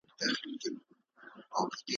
د کابل د نويو مکاتبو جغرافيه